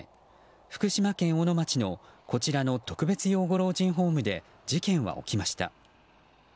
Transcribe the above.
福島県小野町のこちらの特別養護老人ホームで事件は起きました。